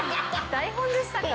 台本でしたか？